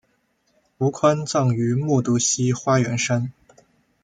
吴宽葬于木渎西花园山。